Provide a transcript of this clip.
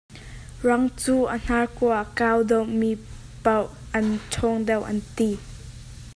Rang cu a hnarkua a kau deuhmi poah an ṭhawng deuh an ti.